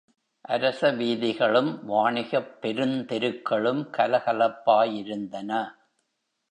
அரசவீதிகளும் வாணிகப் பெருந் தெருக்களும் கலகலப்பாயிருந்தன.